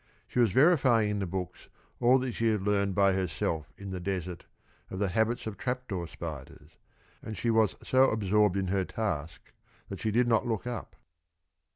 She was verifying in the books all that she had learned by herself in the desert of the habits of trap door spiders, and she was so absorbed in her task that she did not look up.